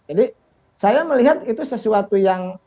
jadi saya melihat itu sesuatu yang